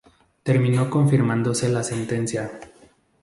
Terminó confirmándose la sentencia.